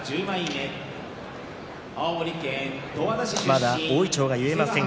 まだ大いちょうが結えません